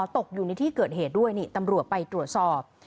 ตกอยู่ในที่เกิดเหตุด้วยนี่ตำรวจไปตรวจสอบ